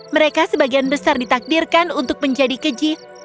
mereka sebagian besar ditakdirkan untuk menjadi keji